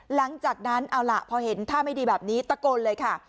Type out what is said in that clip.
หลังจากนั้นเอาล่ะพอเห็นท่าไม่ดีแบบนี้ตะโกนเลยค่ะ